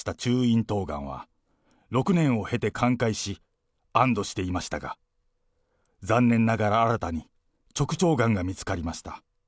いん頭がんは、６年を経て寛解し、安どしていましたが、残念ながら新たに直腸がんが見つかりました。